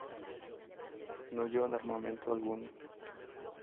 No llevaban armamento alguno.